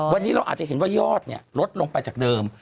วันนี้เราอาจจะเห็นว่ายอดลดลงไปจากเดิม